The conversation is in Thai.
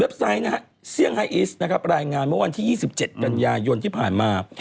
เว็บไซต์เซียงไฮอีสรายงานเมื่อวันที่๒๗กันยายนที่ผ่านมา